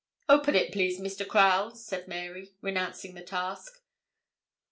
'Open it, please, Mr. Crowle,' said Mary, renouncing the task.